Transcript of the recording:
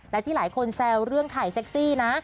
และที่หลายคนแซวเรื่องถ่ายเซ็กซี่นะ